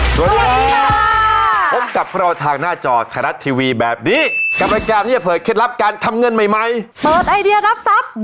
พบกับพระราชทางหน้าจอธรรมดิการทางหน้าจอธรรมดิการทางหน้าจอธรรมดิการ